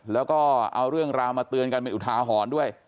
แล้วก็เอาเรื่องราวมาเตือนกันเป็นอุทาหรณ์ด้วย